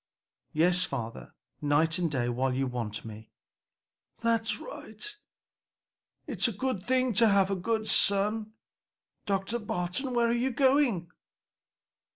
"Yes, father, night and day while you want me." "That's right! It's a good thing to have a good son. Dr. Barton, where are you going?"